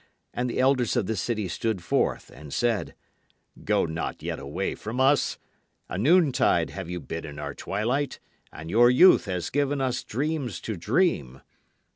And the elders of the city stood forth and said: Go not yet away from us. A noontide have you been in our twilight, and your youth has given us dreams to dream.